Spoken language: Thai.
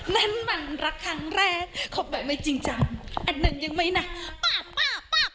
นั้นมันรักครั้งแรกเขาแบบไม่จริงจังอันนั้นยังไม่นับป๊อกป๊อกป๊อก